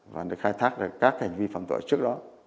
và nó khai thác các hành vi phạm tội trước đó